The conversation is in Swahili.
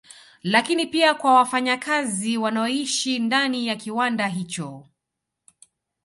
Lakini pia kwa wafanyakazi wanaoishi ndani ya kiwanda hicho